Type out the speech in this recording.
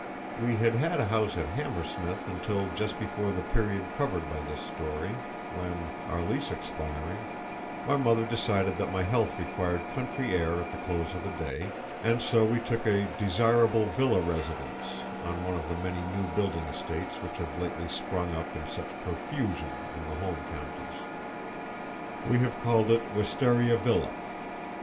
We had had a house at Hammersmith until just before the period covered by this history, when, our lease expiring, my mother decided that my health required country air at the close of the day, and so we took a "desirable villa residence" on one of the many new building estates which have lately sprung up in such profusion in the home counties. We have called it "Wistaria Villa."